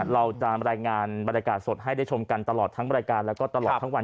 เราจะรายงานบรรยากาศสดให้ได้ชมกันตลอดทั้งรายการแล้วก็ตลอดทั้งวัน